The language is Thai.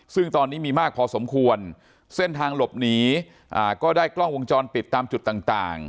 ซึ่งตอนนี้มีมากพอสมควรเส้นทางหลบหนีก็ได้กล้องวงจรปิดตามจุดต่าง